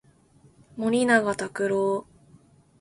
森永卓郎